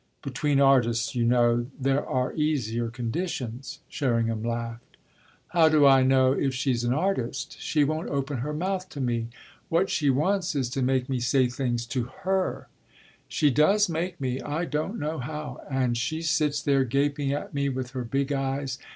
"Between artists, you know, there are easier conditions," Sherringham laughed. "How do I know if she's an artist? She won't open her mouth to me; what she wants is to make me say things to her. She does make me I don't know how and she sits there gaping at me with her big eyes.